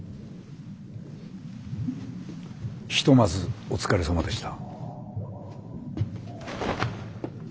ひとまずお疲れさまでした。